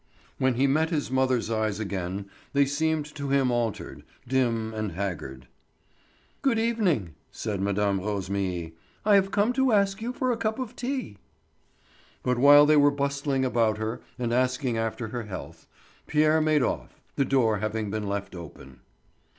When he met his mother's eyes again they seemed to him altered, dim, and haggard. "Good evening," said Mme. Rosémilly. "I have come to ask you for a cup of tea." But while they were bustling about her and asking after her health, Pierre made off, the door having been left open.